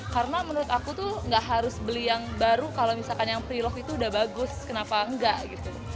karena menurut aku tuh gak harus beli yang baru kalau misalkan yang pre love itu udah bagus kenapa enggak gitu